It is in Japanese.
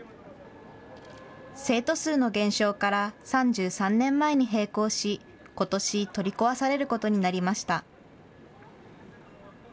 生徒数の減少から３３年前に閉校し、ことし取り壊されることになりました。